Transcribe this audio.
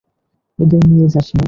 ওদের নিয়ে যাস না।